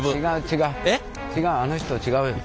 違うあの人違うよ。